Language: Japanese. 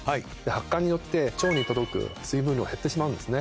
発汗によって腸に届く水分量減ってしまうんですね。